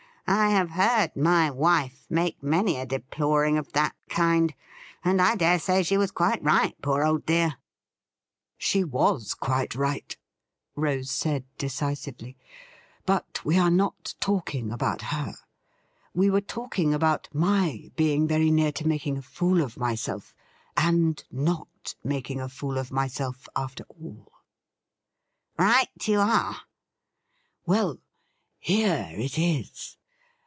I have heard my wife make many a deploring of that kind, and I dare say she was quite right, poor old dear !'' She was quite right,' Rose said decisively. " But we were not talking about her. We were talking about my being very near to making a fool of myself, and not making a fool of myself, after all.' *THY KINDNESS FREEZES' 231 ' Right you are.' ' Well, here it is.